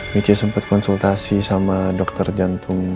michi sempat konsultasi sama dokter jantung